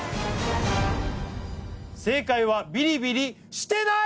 正解はビリビリしてない！